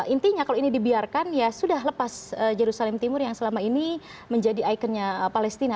intinya kalau ini dibiarkan ya sudah lepas jerusalem timur yang selama ini menjadi ikonnya palestina